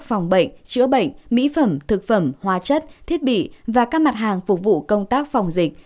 phòng bệnh chữa bệnh mỹ phẩm thực phẩm hóa chất thiết bị và các mặt hàng phục vụ công tác phòng dịch